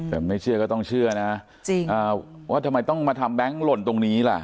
แต่ไม่เชื่อก็ต้องเชื่อนะว่าทำไมต้องมาทำแบงค์หล่นตรงนี้ล่ะ